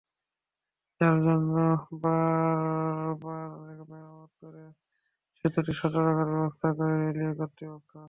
যার জন্য বারবার মেরামত করে সেতুটি সচল রাখার ব্যবস্থা করে রেলওয়ে কর্তৃপক্ষ।